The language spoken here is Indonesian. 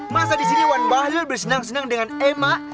masa disini wan bahlul bersenang senang dengan emak